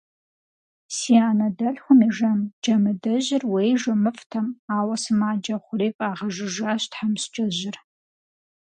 Си анэдэлъхум и жэм Джамыдэжьыр уей жэмыфӏтэм, ауэ сымаджэ хъури фӏагъэжыжащ тхьэмыщкӏэжьыр.